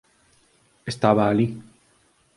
estaba alí.